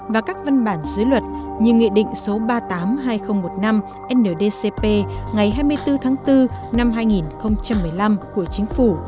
và các văn bản dưới luật như nghị định số ba mươi tám hai nghìn một mươi năm ndcp ngày hai mươi bốn tháng bốn năm hai nghìn một mươi năm của chính phủ